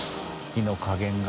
火の加減が。